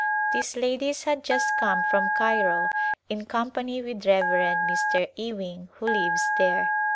These ladies had just come from Cairo in company with Rev. Mr. Ewing who lives there.